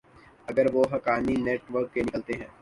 اگر وہ Haqqani network کے نکلتے ہیں۔